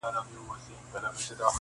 پلار ډېر کمزوری سوی دی اوس,